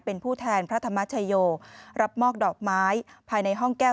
เป็นผู้แทนพระธรรมชโยรับมอบดอกไม้ภายในห้องแก้ว